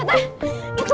eh teh teh